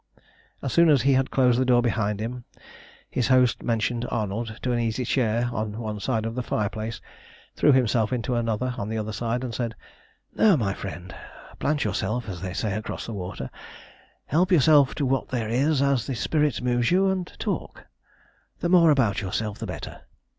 As soon as he had closed the door behind him his host motioned Arnold to an easy chair on one side of the fireplace, threw himself into another on the other side, and said "Now, my friend, plant yourself, as they say across the water, help yourself to what there is as the spirit moves you, and talk the more about yourself the better.